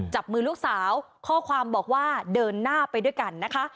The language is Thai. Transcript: จับมือลูกสาวข้อความบอกว่าเดินหน้าไปด้วยกันนะคะ